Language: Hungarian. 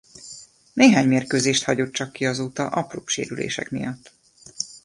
Néhány mérkőzést hagyott csak ki azóta apróbb sérülések miatt.